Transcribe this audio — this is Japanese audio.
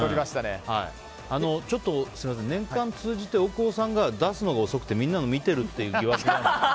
ちょっと年間通じて大久保さんが出すのが遅くてみんなの見ているという疑惑があるんです。